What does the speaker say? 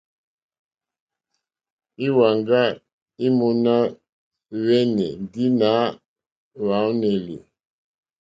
Íwàŋgá í mòná hwɛ́nɛ́ ndí nà hwàónèlì.